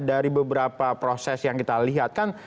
dari beberapa proses yang kita lihatkan